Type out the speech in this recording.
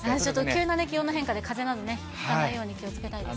急な気温の変化でかぜなど、ひかないように気をつけたいですね。